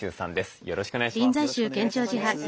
よろしくお願いします。